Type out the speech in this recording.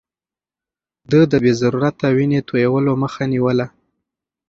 ده د بې ضرورته وينې تويولو مخه نيوله.